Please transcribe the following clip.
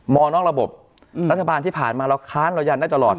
นอกระบบรัฐบาลที่ผ่านมาเราค้านเรายันได้ตลอด